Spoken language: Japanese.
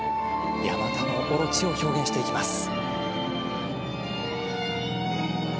ヤマタノオロチを表現していきます。